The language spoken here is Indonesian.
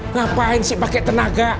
ngapain sih pakai tenaga